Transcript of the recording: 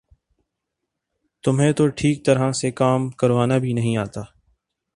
تمہیں تو ٹھیک طرح سے کام کروانا بھی نہیں آتا